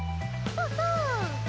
そうそう！